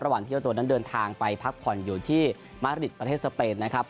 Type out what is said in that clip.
ระหว่างที่เจ้าตัวนั้นเดินทางไปพักผ่อนอยู่ที่มะริดประเทศสเปนนะครับ